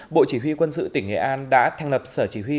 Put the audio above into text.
bộ chỉ huy quân sự tỉnh nghệ an đã thành lập sở chỉ huy